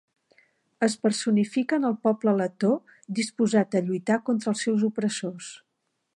Es personifica en el poble letó disposat a lluitar contra els seus opressors.